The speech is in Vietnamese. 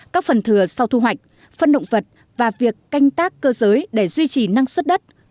các phần thừa sau thu hoạch phân động vật và việc canh tác cơ giới để duy trì năng suất đất